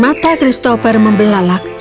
mata christopher membelalak